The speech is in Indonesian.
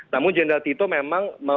namun jenderal tito memang